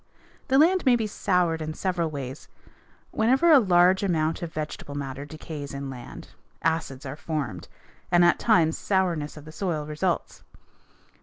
The land may be soured in several ways. Whenever a large amount of vegetable matter decays in land, acids are formed, and at times sourness of the soil results.